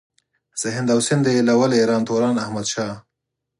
چې هند او سندھ ئې ايلول ايران توران احمد شاه